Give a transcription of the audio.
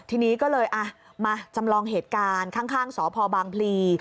ทีนี้ก็เลยมาจำลองเหตุการณ์ข้างสพบางพลี